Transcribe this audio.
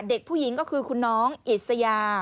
เด็กผู้หญิงก็คือคุณน้องอิสยา